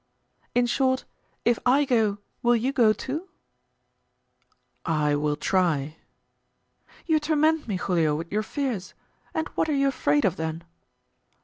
"In short, if I go, will you go too?" "I will try." "You torment me, Giulio, with your fears; and what are you afraid of, then?"